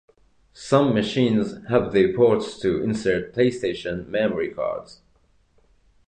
Some machines have the ports to insert PlayStation memory cards.